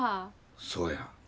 そうや。